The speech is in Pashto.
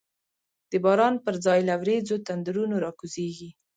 د باران پر ځای له وریځو، تندرونه راکوزیږی